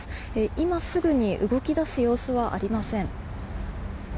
今すぐに動き出す様子はありません。